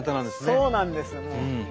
そうなんですもう。